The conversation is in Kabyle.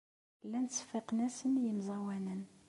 Llan ttseffiqen-asen i yemẓawanen.